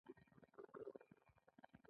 یوه کس به غنم درلودل خو سکارو ته به اړ و